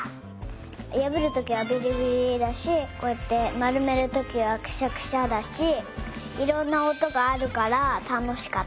やぶるときはビリビリだしこうやってまるめるときはクシャクシャだしいろんなおとがあるからたのしかった。